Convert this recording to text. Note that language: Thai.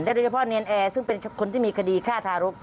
โดยเฉพาะเนรนแอร์ซึ่งเป็นคนที่มีคดีฆ่าทารก